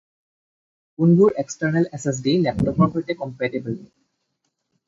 কোনবোৰ external SSD লেপটপৰ সৈতে কম্পেটিবল?